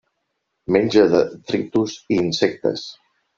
Menja detritus i insectes.